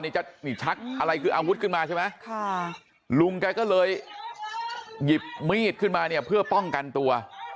นี่จะนี่ชักอะไรคืออาวุธขึ้นมาใช่ไหมค่ะลุงแกก็เลยหยิบมีดขึ้นมาเนี่ยเพื่อป้องกันตัว